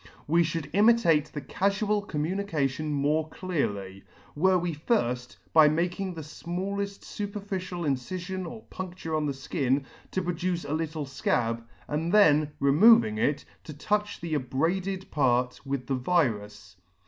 We fhould imitate the cafual communication more clearly, were we firft, by making the fmalleft fuperficial incifion or pundture on the (kin, to produce a little fcab, and then, removing it, to touch the abraded part with the virus.